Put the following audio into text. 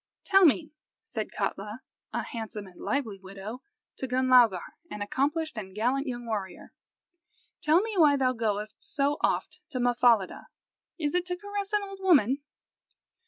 "Tell me," said Katla, a handsome and lively widow, to Gunlaugar, an accomplished and gallant young warrior, "tell me why thou goest so oft to Mahfahlida? Is it to caress an old woman?"